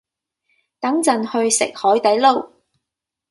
等陣去食海地撈